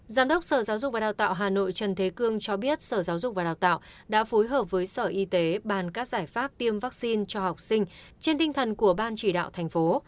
giám đốc sở giáo dục và đào tạo hà nội trần thế cương cho biết sở giáo dục và đào tạo đã phối hợp với sở y tế bàn các giải pháp tiêm vaccine cho học sinh trên tinh thần của ban chỉ đạo thành phố